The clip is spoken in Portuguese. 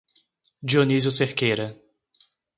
Dionísio Cerqueira